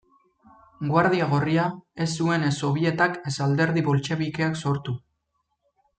Guardia Gorria, ez zuen ez Sobietak ez Alderdi Boltxebikeak sortu.